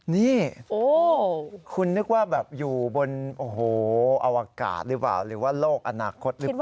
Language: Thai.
นี่คุณนึกว่าแบบอยู่บนโอ้โหอวกาศหรือเปล่าหรือว่าโลกอนาคตหรือเปล่า